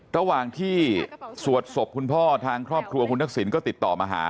ระหว่างที่สวดศพคุณพ่อทางครอบครัวคุณทักษิณก็ติดต่อมาหา